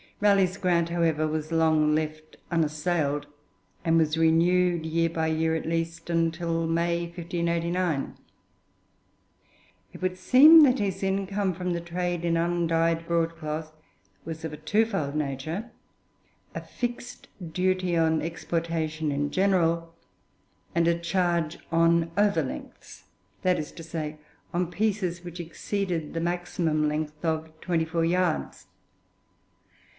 Raleigh's grant, however, was long left unassailed, and was renewed year by year at least until May 1589. It would seem that his income from the trade in undyed broad cloth was of a two fold nature, a fixed duty on exportation in general, and a charge on 'over lengths,' that is to say, on pieces which exceeded the maximum length of twenty four yards.